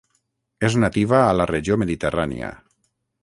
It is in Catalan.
És nativa a la regió mediterrània.